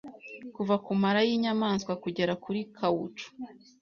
Kuva ku mara y’inyamaswa kugera kuri kawucu,